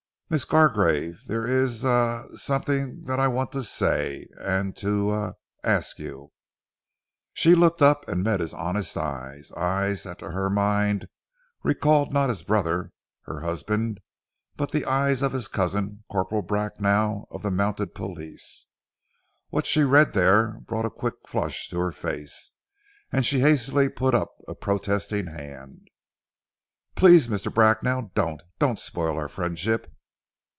"Miss Gargrave, there is er something that I want to say, and to a ask you." She looked up and met his honest eyes, eyes that to her mind recalled not his brother, her husband, but the eyes of his cousin Corporal Bracknell of the Mounted Police. What she read there brought a quick flush to her face, and she hastily put up a protesting hand. "Please, Mr. Bracknell, don't! Don't spoil our friendship!"